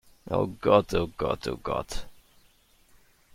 Oh Gott, oh Gott, oh Gott!